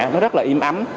nó rất là im ấm